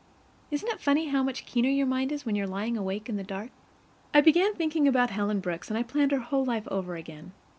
Isn't it funny how much keener your mind is when you are lying awake in the dark? I began thinking about Helen Brooks, and I planned her whole life over again.